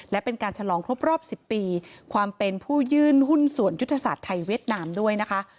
และเป็นการฉลองครบรอบ๑๐ปีความเป็นผู้ยื่นหุ้นส่วนยุทธศาสตร์ไทยเวียดนามด้วยนะคะ